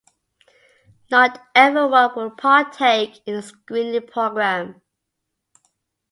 Not everyone will partake in a screening program.